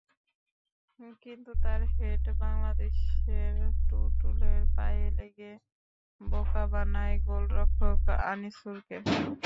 কিন্তু তাঁর হেড বাংলাদেশের টুটুলের পায়ে লেগে বোকা বানায় গোলরক্ষক আনিসুরকে।